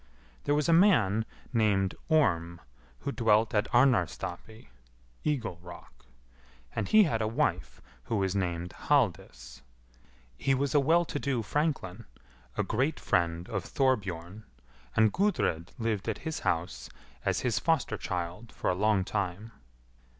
There was a man named Orm, who dwelt at Arnarstapi (eagle rock), and he had a wife who was named Halldis. He was a well to do franklin, a great friend of Thorbjorn, and Gudrid lived at his house as his foster child for a long time.